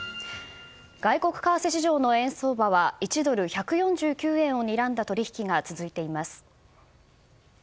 外国為替市場の円相場は１ドル＝１４９円をにらんだ取引が続いています。